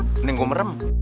mending gua merem